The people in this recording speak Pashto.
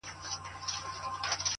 • ستا د يادو لپاره ـ